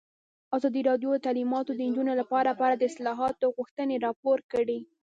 ازادي راډیو د تعلیمات د نجونو لپاره په اړه د اصلاحاتو غوښتنې راپور کړې.